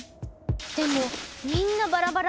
でもみんなバラバラ。